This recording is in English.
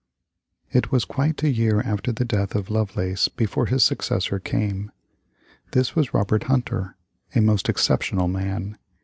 It was quite a year after the death of Lovelace before his successor came. This was Robert Hunter, a most exceptional man.